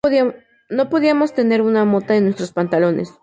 No podíamos tener una mota en nuestros pantalones.